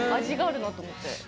味があるなと思って。